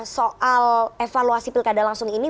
soal evaluasi pilkada langsung ini